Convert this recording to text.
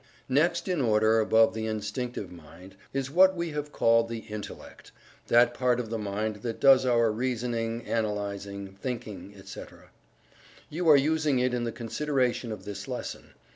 Next in order, above the Instinctive Mind, is what we have called the Intellect, that part of the mind that does our reasoning, analyzing; "thinking," etc. You are using it in the consideration of this lesson.